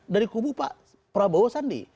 dari kubu pak prabowo sandi